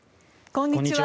こんにちは。